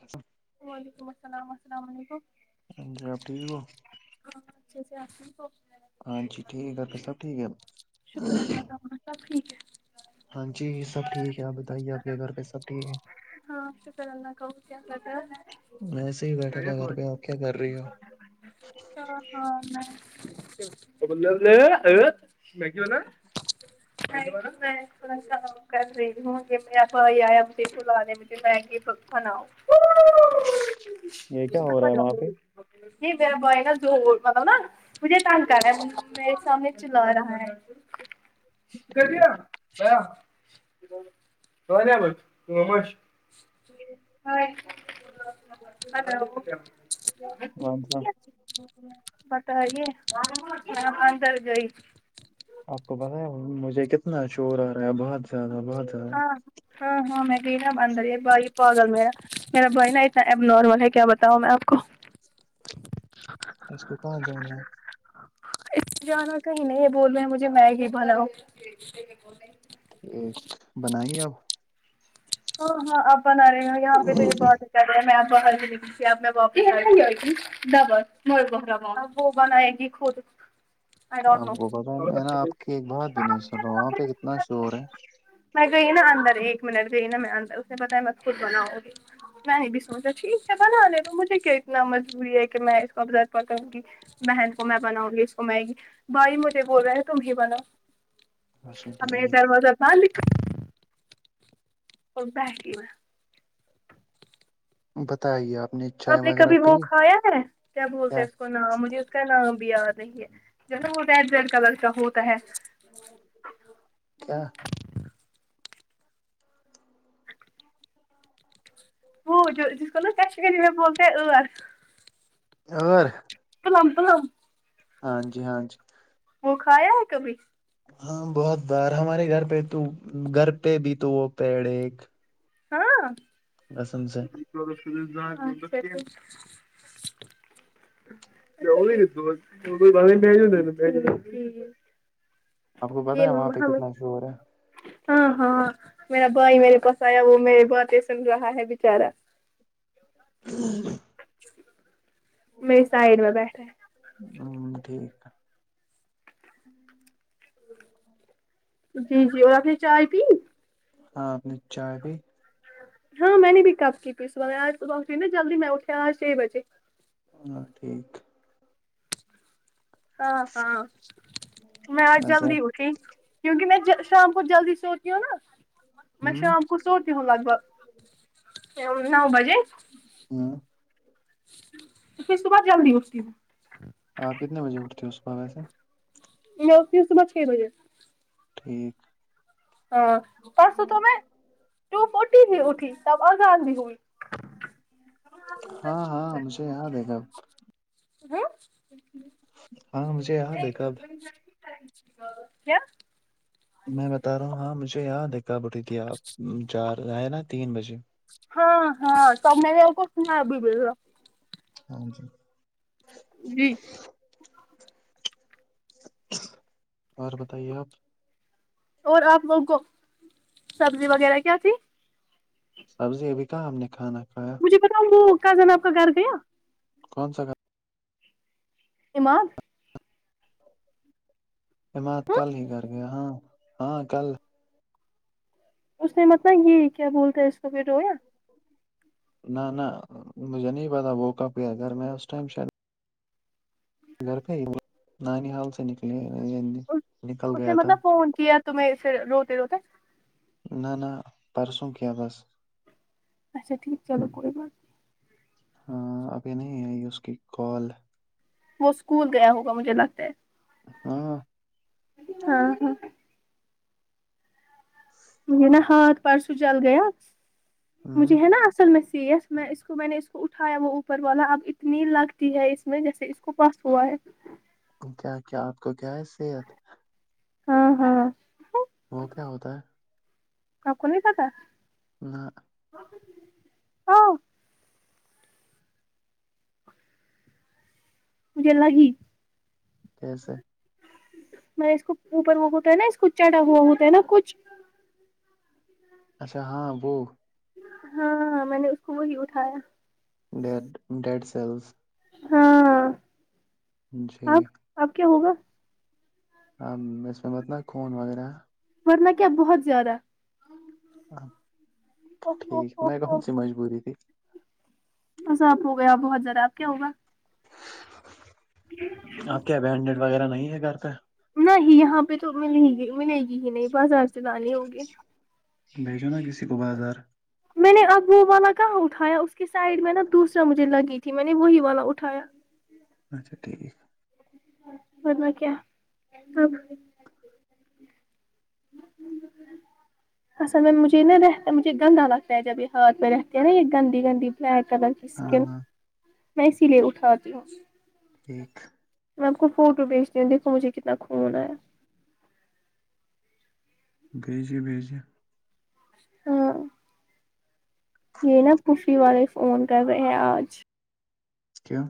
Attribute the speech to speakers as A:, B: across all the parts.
A: اچا [inaudible]
B: وعلیکم السلام السلام علیکم
A: ہ جناب ٹھیک ہو [unintelligible]
B: ہاںچیے آ تو [inaudible]
A: ہاں جی ٹھیک ہے ڈاکٹر صاحب ٹھیک ہے
B: شکر اللہ
A: [unintelligible]
B: کا وہاں سب ٹھیک ہے
A: ہاں جی سب ٹھیک ہے آپ بتائیے آپ کے گھر پہ سب ٹھیک ہے
B: ہاں اش پر نا ک ہوکیہ [unintelligible]
A: وسے ہی بیٹھا تھا گھر
B: ہو
A: پہ آپ کیا کر رہی ہو
B: ب بے میک بول [inaudible] آ ف [inaudible] کر رہی ہ ج میں آپ آیا کلاا د م میں کہ پ نؤ
A: یہ کیا ہو رہا ہے وہاں پہ
B: [unintelligible] ج ب [unintelligible] ز مطلب نا مجھے تٹنگ کر رہا ہے م س چلا رہا ہے [unintelligible] ک
A: ٹھیک
B: مشش [unintelligible]
A: جی [unintelligible]
B: [inaudible]
A: مانسا
B: بتائیے کیا پندر جئی [inaudible]
A: آپ کو بتایا مجھے کتنا شور آ رہا ہے بہت زیادہ بہت زیادہ
B: ہاں
A: [unintelligible]
B: ہاں ہاں میں گئی نا اندر یہ بھائی پاگل میرا میرا بھائی نا اتنا ایب نارمل ہے کیا بتاؤ میں آپ کو
A: اس کو کہاں جانا ہے
B: جانا کہیں نہیں ہے بول رہے ہیں مجھے میں ہی بالاؤ [unintelligible]
A: ایک بنائیے اب
B: ہاں ہاں آپ بنا رہے ہو یہاں پہ تو یہ بہت اچھا ل رہا ہے میں آپ ہر [unintelligible] جے آپ میں واپس آ کے آ گی [unintelligible] ڈبا م بہر با وہ بنائے گی خود [unintelligible] آئی ڈونٹ
A: آپ کو پتا ہے
B: نو
A: میں نےا آپ کی ایک بات بھی نہیں سنا وہاں پہ کتنا شور ہے
B: میں گئی نا اندر ایک منٹ ج نا میں ان اس پتا بس خود بناؤ گی میں نے بھی سوچا ٹھیک ہے بنا ل تو مجھے [unintelligible] ھیک ہے اتنا مجبوری ہے کہ میں اس کو ابزاد پ کروں گی [unintelligible] بہن کو میں بناؤں گی اس کو مگی بھائی مجھے بول رہے ہیں تم ہی بناؤ
A: اچھا
B: ہم میں
A: ٹھیک
B: دروازہ تال [unintelligible] اور بی میں [unintelligible]
A: بتائی آپ نے چائے
B: آپ نے
A: وغیرہ
B: کبھی وہ
A: پی
B: کھایا ہے کیا بولتا ہے اس کو ن مجھے [unintelligible] کا نام بھی آ رہی ہے جیسا ہوتا ہے جلکا لڑکا ہوتا ہے
A: کیا
B: شری میں بولتے
A: ہور
B: ک لام تو [unintelligible]
A: ہاں جی ہاں جی
B: وہ کھایا ہے کبھی
A: ہاں بہت بار ہمارے گھر پہ تو گھر پہ بھی تو وہ پیڑ ایک
B: ہاں
A: بسم سے ہے [unintelligible]
B: ز [unintelligible] یہی ل ب ب بی [unintelligible]
A: آپ کو پتا ہے
B: یہ
A: وہاں پہ
B: ہم
A: کتنا شور ہے
B: [unintelligible] ہاں ہاں ہ میرا با ہی م نے پسایا وہ میرے ب سم رہا ہے بچارا [unintelligible]
A: ہ [unintelligible]
B: چ میری سائڈ میں بیٹھے
A: ہوں ٹھیک ہے
B: جی جی اور آ کے چائے پی
A: ہاں آپ نے چائے بھی
B: ہاں میں نے بھی کپ کی پی سبار آجب اٹ نا جلدی میں اٹھیا آج چھ بجے
A: ہ ٹھیک
B: ہاں ہاں میں آ
A: ویسے
B: جی
A: آپ
B: اٹھی کیونکہ م میں ج شام کو جلدی سوتی ہوں نا میں
A: ہوں
B: شام کو سوتی ہ لگ بھگ نو بجے
A: ہوں
B: تو پھر اس کے بعد جلدی ہوٹتی ہ
A: آپ کتنے بجے اٹھتی ہو اس ص کوح ویسے
B: میںتی ہوں صبح چھ بجے
A: ٹھیک
B: ہاں پرسوں تو میں ٹ فٹی بھی اٹھی تب اگ آ بھی ہوئی
A: ہاں ہاں مجھے یاد ہے گا
B: ہ
A: ہاں م
B: [inaudible]
A: میں بتا رہا ہوں ہاں مجھے یاد ہے آ بٹھی تھی آپ چار آئے نا تین بجے
B: ہاں ہاں توم نے بھی آ کو سنا بی بی
A: ہاں جی
B: جی
A: اور بتائیے آپ
B: اور آپ لوگوں کو سبزی وغیرہ کیا تھی
A: سبزی ابھی کہاں ہم نے کھانا کھایا
B: ج بتاؤ وہ کزن آپ کا گھر گیا
A: کون سا گ
B: ایما
A: اماتات
B: ہاں
A: کل ہی کر گیا ہاں ہاں کل
B: اس نے متلب یہ کیا بولتا ہے اس کو پ رویا
A: نہ نہ مجھے نہیں پتا وہ کب گھر میں اس ٹائم شاید گھر پہ ہی نانی ہال سے نکل
B: اس نے
A: گیا تھا
B: مطلب فون کیا تمیں پھر روتے روتے
A: ن ن پرسوں کی بس
B: اچھا ٹھیک چلو کوئی بات
A: ہ ابھی نہیں ہے اس کی کال
B: وہ اسکول گیا ہوگا مجھے لگتا ہے
A: ہاں
B: ہاں ہاں
A: [inaudible]
B: مھ نا ہاتھ پرسوں جل گیا مجھے
A: ہ
B: ہے نا اصل م س میں اس کو میں نے اس کو اٹھایا وہ اوپر والا اب اتنی لگتی ہے اس میں جیسے کپاس و
A: کیا کیا آپ کو کیا ہے صحت
B: ہاں ہاںاں
A: وہ کیا ہوتا ہے
B: ک کون نہیں تھا تھا
A: نہ
B: [unintelligible] مجھے لگی
A: یھ سےے
B: مط اس کو اوپر وہ ہوتا ہے نا اس کو چڑھا ہوا ہوتا ہے نا کچھ
A: اچھا ہاں وہو
B: ہاںاں میں نے اس کو وہی اٹھایا
A: ڈیڈ ڈیڈ سیلز
B: ہاں
A: جی
B: آپ کیا ہوگا
A: ہ م اسمت نا خون وغیرہ
B: ورننا کیا بہت زیادہ
A: ٹھیک میں گاوں س مجبوری تھی
B: بس آپ ہو گیا بہت زیادہ آپ کیا ہوگا
A: آپ کیا بینڈ نٹ وغیرہ نہیں ہے گھر پہ
B: نہیں یہاں پہ تو مل ہی گ ملے گی ہی نہیں باز رار سے دانے ہوگے
A: بیج نا گسیق بازار
B: میں نے اب وہ والا کہاں اٹھایا اس کی سائڈ میں نا دوسرا مجھے لگی تھی میں نے وہی والا اٹھایا
A: اچھا ٹھیک
B: بدم کیا [unintelligible] اصل میں مجھے نا رہتا ہے مجھے گندا لگتا ہے جب یہ ہاتھ پ رہتے ہے نا یہ گندی گندی میں کم کس کے
A: ہاں
B: میں اسی لیے اٹھاتی ہوں
A: ایک
B: میں آپ کو فوٹو بھیجتی ہوں دیکو مجھے کتنا خون آیا
A: بیزے بیز
B: ہاں یہ نا کفی والے فون کر رہے ہیں آج
A: ا کیا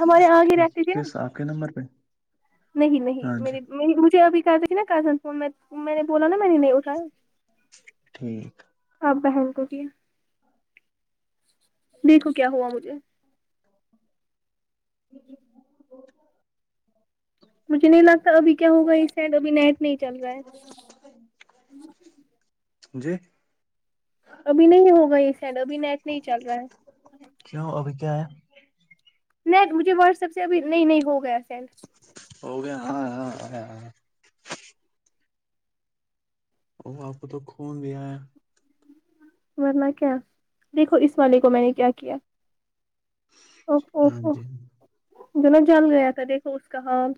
B: ہمارے آگے
A: ٹھیک
B: رہتے تھے
A: کس آپ کے نمبر پہ
B: نہیں نہیں
A: ہاں جی
B: میری مجھے ابھی کہا تھا نا کہسن فون میں نے بولا نا میں نے نہیں اٹھایا
A: ٹھیک
B: آپ بہن کو کیا دیکھو کیا ہوا مجھے
A: [unintelligible]
B: مجھے نہیں لگتا ابھی کیا ہوگا اس سیٹ ابھی نیٹ نہیں چل رہا ہے
A: جی
B: ابھی نہیں ہوگا یہ سڈ ابھی نیٹ نہیں چل رہا ہے
A: کیوں ابھی کیا ہے
B: ن مجھے واٹس ایپ سے اب نہیں نہیں ہو گیا سینڈ
A: ہو گیا ہاں اور وہاں پہ تو گوم گیا ہے
B: ورناہ کیا دیکھو اس والے کو میں نے کیا کیا او
A: ہاں
B: اوو
A: جی
B: جو نا جل گیا تھا دیکھو اس کا حال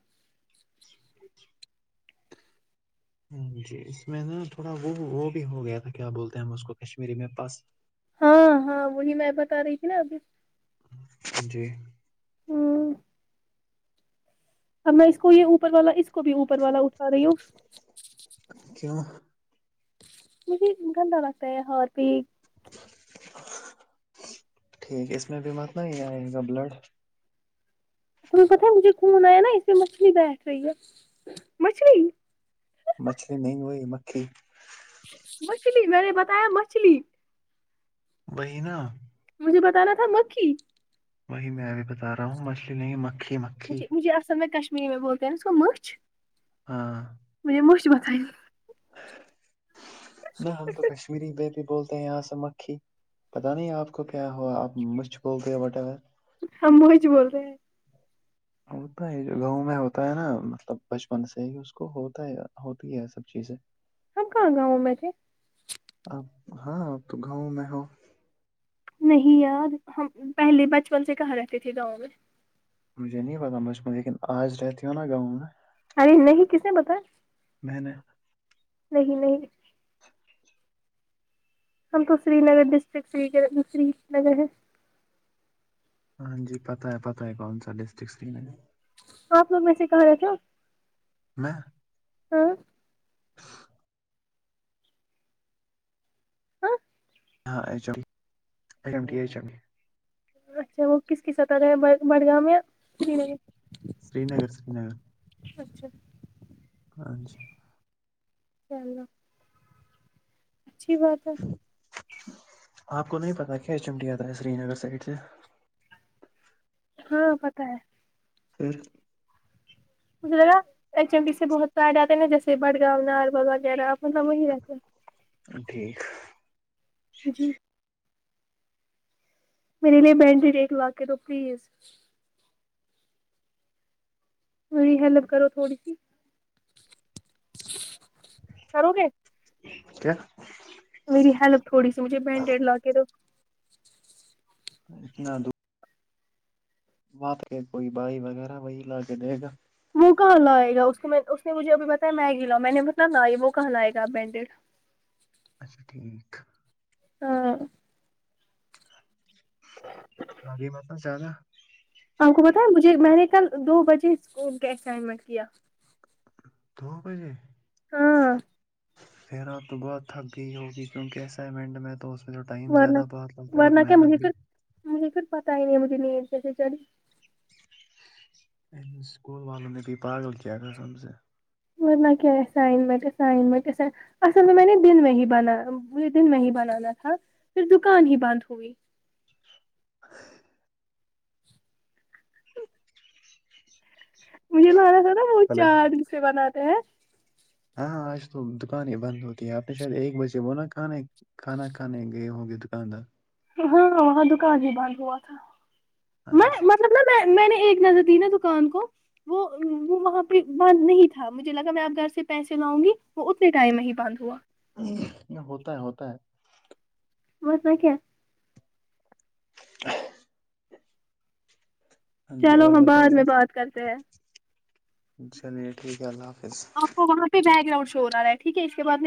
A: جی اس میں نا تھوڑا وہ وہ بھی ہو گیا تھا کیا بولتے ہیں ہم اس کو کشمیری میں پس
B: ہاں ہاں وہی میں بتا رہی تھی نا ابھی
A: جی
B: ہوں ا میں اس کو یہ اوپر والا اس کو بھی اوپر والا اٹا رہی ہوں
A: ا کیا
B: مجھے گندا لگتا ہے ہ پ
A: ٹھیک اس میں بھی متنا ہی آئے گا بلڈ
B: تم کو تھا مجھے خون آیا نا اسے مچھلی بیٹھ رہی ہے مچھلی
A: مچھلی نہیں ہوئی مکھی
B: مچھلی میں نے بتایا مچھلی
A: بہ نا
B: مجھے بتانا تھا مکھی
A: وہی میں ابھی بتا رہا ہوں مچھلی نہیںی مکھی مک
B: مجھ مجھے اصل میں کشمیری میں بولتے ہیں اس کو مچھ
A: ہاں
B: مجھے مش وتانی
A: نہ ہم تو کشمیری میں بھی بولتے ہیں یہاں سے مکھی پتاہ نہیں آپ کو کیا ہوا آپ مشھ بول گئے واٹ ایور
B: ہم موہیچ بول رہے ہیں
A: ہوتا ہے جو گاؤں میں ہوتا ہے نا مطلب بچپن سے ہی اس کو ہوتا ہے ہوتی ہے سب چیزیں
B: ہب کہاں گاؤ ہو میںجھے
A: آپ ہاں ا تو گاؤں میں ہو
B: نہیں یار ہم پہلے بچپن سے کہاں رہتے تھے گاؤں میں
A: مجھے نہیں پتا مجھ میں لیکن آج رہتی ہوں نا گاؤں میں
B: ارے نہیں کسے بتا
A: میں نے
B: نہیں نہیں ہم تو Srinagar district Srinagar Srinagar ہے
A: ہاں جی پتتا ہے پتا ہے کون سا ڈسٹرکٹ سری نگر
B: سپ لوگ میں سے کہ رہے تھ
A: میں
B: ہاں
A: ہاں
B: ہاں
A: ہاں H M H M D H M D
B: اچھا وہ کس کی سطح ہے بڑگاؤ یا سری
A: سری نگر سری نگر
B: اچھا
A: ہاں جی
B: چلو اچھی بات ہے
A: آپ کو نہیں پتا کیا چمڈیاتا ہے سری نگر سائڈ سے
B: ہاں پت ہے
A: پھر
B: مطھےگا ایچ ایم بیی سے بہت پارڈے آتے نا جیسے بٹگاؤ نارول وغیرہ اپ سب وہی رہتے ہیں
A: ٹھیک
B: جی میرے لیے بینڈ ایک لاکھ کے تو پلیز میری ہیلپ کرو تھوڑی سی کرو گے
A: کیا
B: میری ہیلپ تھوڑی سی مجھے بینڈیڈ لا کے دو
A: نا وپ کے کوئی بائی وغیرہ وہی لا کے دے گا
B: وہ کہاں لائے گا اس میں اس نے مجھے ابھی بتایا میگی لاؤ میں نے بتا ن یہ وہ کہاں لائے گا برانڈیڈ
A: اچھا ٹھیک
B: ہاں
A: لگی ملب زیادہ
B: آپ کو بتیں مجھے میں نے کل دو بجے اسکول کے اسائنمنٹ کیا
A: دو بجے [unintelligible]
B: ہاں
A: پیراں تو بعد تھک گئی ہوگی کیونکہ اسائنمنٹ میں تو اس میں جو ٹائم
B: ورنہ
A: زیادہ بہت لگتا ہے اور
B: ورنہ کیا مجھے
A: محنت بھی
B: پھر
A: [unintelligible]
B: مجھے کچھ پتا ہی نہیں مجھے نیند جیسے چلیی
A: ا سکول والوں میں پ پال کی کیا گ سم سے [unintelligible]
B: مگر نہ کی ای سائمنٹ ای سائنمنٹ ای اصل میں میں نے دن میں ہی بنا مج دن میں ہی بنانا تھا پھر دکان ہی بند ہوئی
A: ا [inaudible]
B: مجھے لانا تھا نا وہ
A: ہلو
B: چار سے بناتے ہیں
A: ہاں آج تو دکان ہی بند ہوتی ہے آپ نے شاید ایک بجے بونا کہاں ہے کھانا کھانے گئے ہووں گئے دکاندار
B: ہاں وہاں دکان ہی بند ہوا تھا
A: ہاں
B: میں
A: جی [unintelligible]
B: مطلب میں میں نے ایک نظر دی نا دکان کو [unintelligible] وہ وہ وہاں پہ بند نہیں تھا مجھے لگا میں آپ گھر سے پیسے لاؤں گی وہ اتنے ٹائم میں ہی بند ہوا
A: ہوتا ہے ہوتا ہے [unintelligible]
B: وہیس ن نہ کی [unintelligible]
A: [inaudible] ہاں جی
B: چلو
A: اور
B: ہم بعد
A: بتائیے
B: میں
A: آپ
B: بات کرتے ہیں
A: چلیے ٹھیک ہے اللہ حافظ
B: آپ وہاں پہ بیک گراؤنڈ ش ہو رہا ہے ٹیک ہے کے بد نہیں [unintelligible]